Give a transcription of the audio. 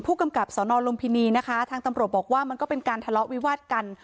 ผู้กำกับสนลุมพินีนะคะทางตำรวจบอกว่ามันก็เป็นการทะเลาะวิวาดกัน